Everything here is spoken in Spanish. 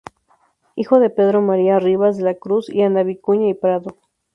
Hijo de Pedro María Rivas de la Cruz y Ana Vicuña y Prado.